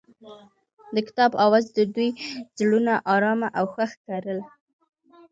د کتاب اواز د دوی زړونه ارامه او خوښ کړل.